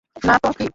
না তো কী?